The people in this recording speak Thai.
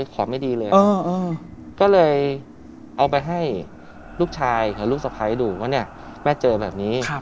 ของไม่ดีเลยก็เลยเอาไปให้ลูกชายกับลูกสะพ้ายดูว่าเนี่ยแม่เจอแบบนี้